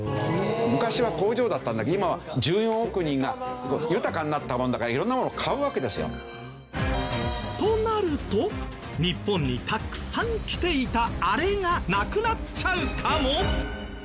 昔は工場だったんだけど今は１４億人が豊かになったもんだから色んなもの買うわけですよ。となると日本にたくさん来ていたあれがなくなっちゃうかも？